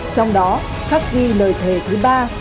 trong đó khắc ghi lời thề thứ ba